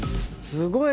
すごい。